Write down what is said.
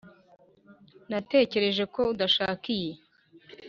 natekereje ko uzashaka iyi.